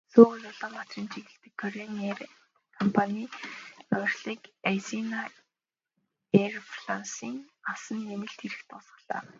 Сөүл-Улаанбаатарын чиглэл дэх Кореан эйр компанийн ноёрхлыг Азиана эйрлайнсын авсан нэмэлт эрх дуусгалаа.